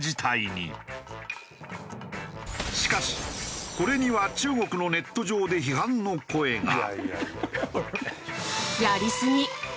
しかしこれには中国のネット上で批判の声が。